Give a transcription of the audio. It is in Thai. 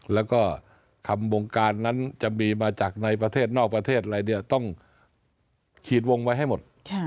แล้วก็คำวงการนั้นจะมีมาจากในประเทศนอกประเทศอะไรเนี่ยต้องขีดวงไว้ให้หมด